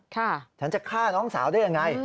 ฉันจะฆ่าน้องสาวได้ยังไง